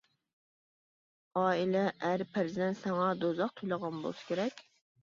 ئائىلە، ئەر، پەرزەنت ساڭا دوزاخ تۇيۇلغان بولسا كېرەك.